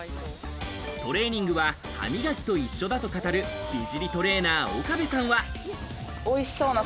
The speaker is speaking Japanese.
トレーニングは歯磨きと一緒だと語る、美尻トレーナー岡部さんは。